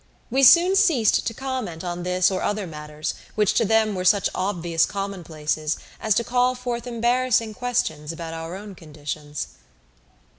We soon ceased to comment on this or other matters which to them were such obvious commonplaces as to call forth embarrassing questions about our own conditions.